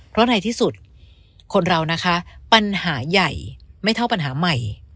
เพราะในที่สุดคนเรานะคะปัญหาใหญ่ไม่เท่าปัญหาใหม่